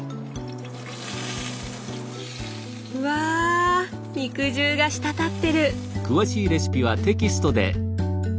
うわ肉汁が滴ってる！